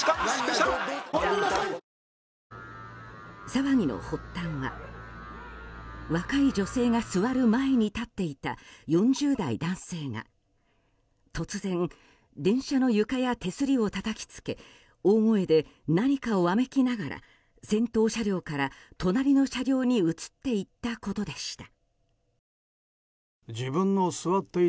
騒ぎの発端は若い女性が座る前に立っていた４０代男性が突然、電車の床や手すりをたたきつけ大声で何かをわめきながら先頭車両から隣の車両に移っていったことでした。